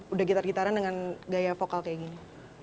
udah gitar gitaran dengan gaya vokal kayak gini